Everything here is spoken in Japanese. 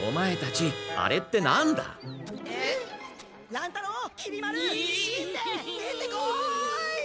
乱太郎きり丸しんべヱ出てこい！